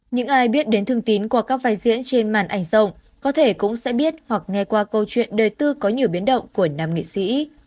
những ai biết đến thương tín qua các vai diễn trên màn ảnh rộng có thể cũng sẽ biết hoặc nghe qua câu chuyện đời tư có nhiều biến động của nam nghệ sĩ